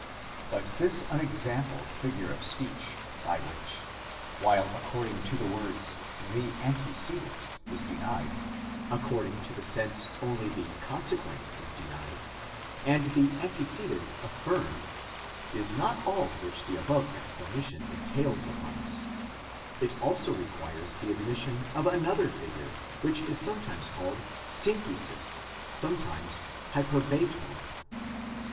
But this unex ampled figure of speech, by which, while according to the words the anzece dent is denied, according to the sense only the consequent is denied, and the antecedent affirmed, is not all which the above explanation entails upon us; it also requires the admission of another figure which is sometimes called synchisis, sometimes hyperbaton.